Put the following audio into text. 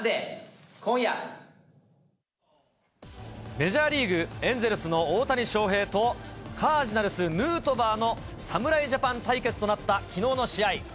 メジャーリーグ・エンゼルスの大谷翔平と、カージナルス、ヌートバーの侍ジャパン対決となったきのうの試合。